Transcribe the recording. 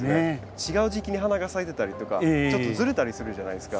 違う時期に花が咲いてたりとかちょっとずれたりするじゃないですか。